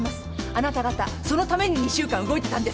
あなた方そのために２週間動いてたんですか？